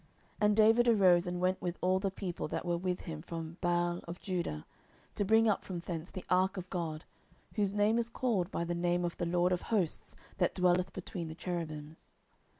10:006:002 And David arose, and went with all the people that were with him from Baale of Judah, to bring up from thence the ark of God, whose name is called by the name of the LORD of hosts that dwelleth between the cherubims.